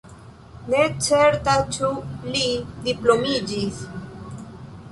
Ne certas ĉu li diplomiĝis.